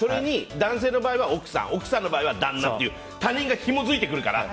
男性の場合は奥さん女性の場合は旦那って他人がひも付いてくるから。